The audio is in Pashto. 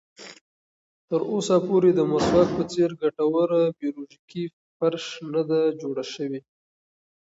تر اوسه پورې د مسواک په څېر ګټوره بیولوژیکي فرش نه ده جوړه شوې.